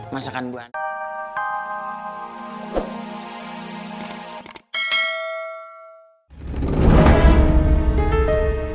masakan bu andien